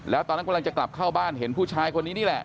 แล้วตอนนั้นกำลังจะกลับเข้าบ้านเห็นผู้ชายคนนี้นี่แหละ